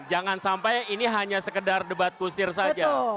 jangan sampai ini hanya sekedar debat kusir saja